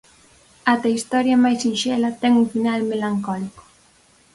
Até a historia máis sinxela ten un final melancólico.